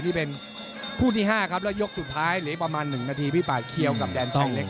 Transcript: นี่เป็นคู่ที่๕ครับแล้วยกสุดท้ายเหลือประมาณ๑นาทีพี่ป่าเคียวกับแดนช่องเล็ก